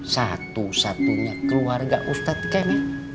satu satunya keluarga ustadz kami